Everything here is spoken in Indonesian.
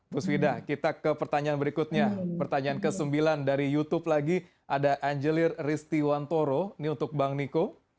bu swida kita ke pertanyaan berikutnya pertanyaan ke sembilan dari youtube lagi ada angelir ristiwantoro ini untuk bang niko